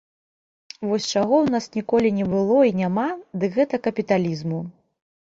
Вось чаго ў нас ніколі не было і няма, дык гэта капіталізму.